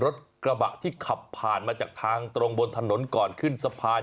รถกระบะที่ขับผ่านมาจากทางตรงบนถนนก่อนขึ้นสะพาน